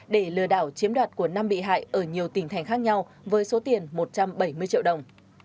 để lừa đảo chiếm đoạt của năm bị hại ở nhiều tỉnh thành khác nhau với số tiền một trăm bảy mươi triệu đồng